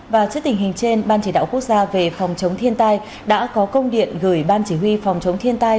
và trước tình hình trên ban chỉ đạo quốc gia về phòng chống thiên tai đã có công điện gửi ban chỉ huy phòng chống thiên tai